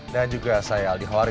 dan juga saya aldi hawari